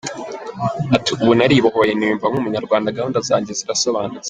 Ati ‘Ubu naribohoye, niyumva nk’umunyarwanda, gahunda zanjye zirasobanutse.